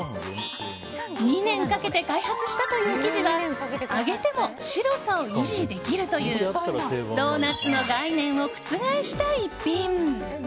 ２年かけて開発したという生地は揚げても白さを維持できるというドーナツの概念を覆した逸品。